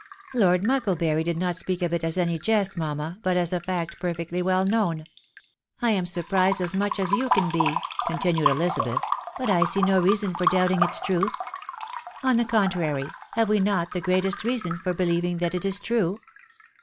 " Lord Mucklebury did not speak of it as any jest, mamma, but as a fact perfectly well known. I am surprised as much 'as you can be," continued Ehzabeth, " but I see no reason for doubting its truth ; on the contrary, have we not the greatest reason for believing that it is true